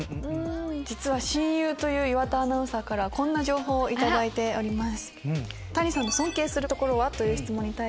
実は親友という岩田アナウンサーからこんな情報を頂いております。